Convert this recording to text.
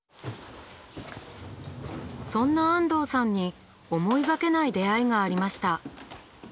そんな安藤さんに思いがけない出会いがありました。